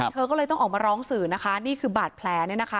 เธอก็เลยต้องออกมาร้องสื่อนะคะนี่คือบาดแผลเนี่ยนะคะ